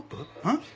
ん？